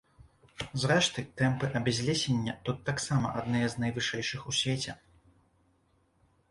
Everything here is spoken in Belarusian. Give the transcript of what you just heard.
Зрэшты, тэмпы абязлесення тут таксама адныя з найвышэйшых у свеце.